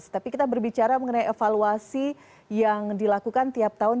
tapi kita berbicara mengenai evaluasi yang dilakukan tiap tahun